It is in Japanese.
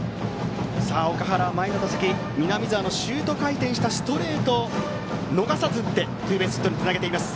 岳原は前の打席南澤のシュート回転したストレートを逃さず打ってツーベースヒットにつなげてます。